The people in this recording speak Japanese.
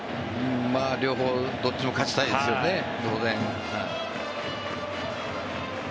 両方、どっちも勝ちたいですよね、当然。